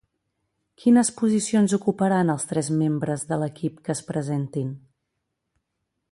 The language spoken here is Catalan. Quines posicions ocuparan els tres membres de l'equip que es presentin?